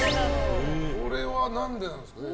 これは何でなんですかね。